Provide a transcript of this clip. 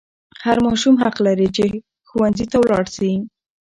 هر ماشوم حق لري چې ښوونځي ته ولاړ شي.